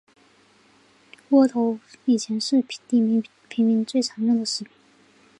窝头以前是底层平民常用的食品。